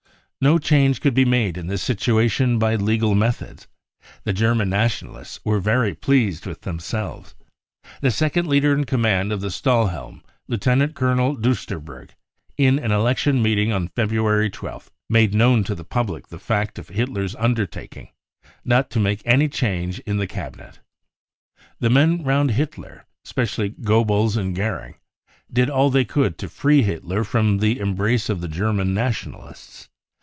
No change could* be made in this situation by legal methods. The German Nationalists were very pleased with themselves. The second leader in command of the Stahl helm, Lieutenant Colonel Diisterberg, in an election meet ing on February 12th, made known to the public the fact of Hitler^ undertaking not to make any change in the Cabinet. The men round Hitler, especially Goebbels and Goering) did all they could to free Flitter from the embrace of the German Nationalists.